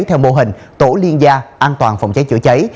theo mô hình tổ liên gia an toàn phòng cháy chữa cháy